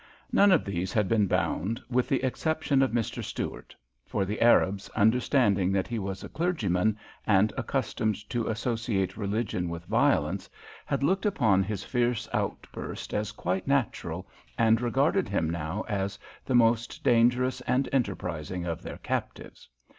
None of these had been bound with the exception of Mr. Stuart, for the Arabs, understanding that he was a clergyman, and accustomed to associate religion with violence, had looked upon his fierce outburst as quite natural, and regarded him now as the most dangerous and enterprising of their captives.